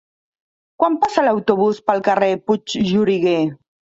Quan passa l'autobús pel carrer Puigxuriguer?